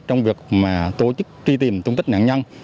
trong việc mà tổ chức tri tìm tung tích nạn nhân